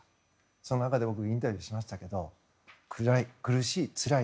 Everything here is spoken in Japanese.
その中で僕、インタビューしましたが暗い、苦しい、つらい。